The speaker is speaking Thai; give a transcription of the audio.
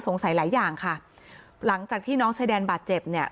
หลายอย่างค่ะหลังจากที่น้องชายแดนบาดเจ็บเนี่ย